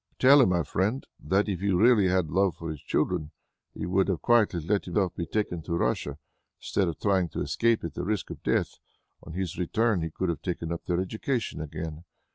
"Tell him, my friend, that if he really had love for his children, he would have quietly let himself be taken to Russia, instead of trying to escape at the risk of death. On his return, he could have taken up their education again.